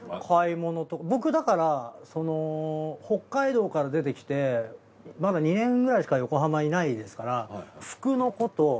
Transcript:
買い物僕だから北海道から出てきてまだ２年くらいしか横浜にいないですから服のこと